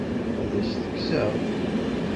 Ad as-t-kkseɣ?